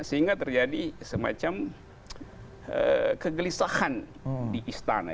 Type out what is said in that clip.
sehingga terjadi semacam kegelisahan di istana